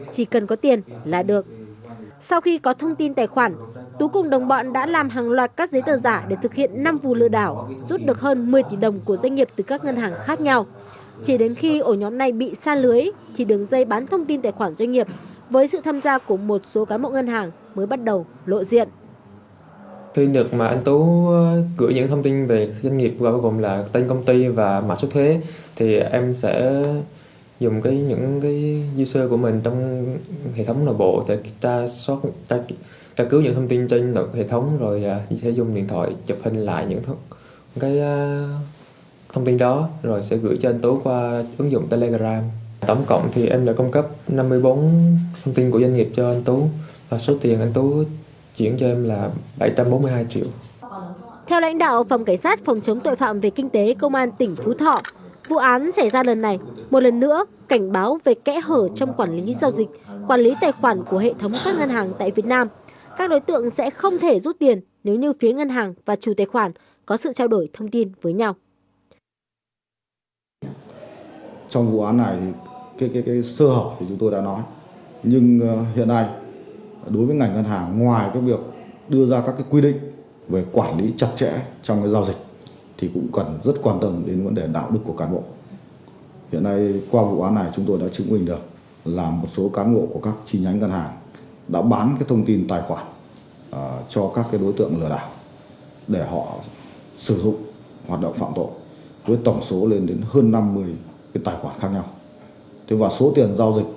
chỉ đến khi ổ nhóm này bị sa lưới thì đường dây bán thông tin tài khoản doanh nghiệp với sự tham gia của một số cán bộ ngân hàng mới bắt đầu lộ diện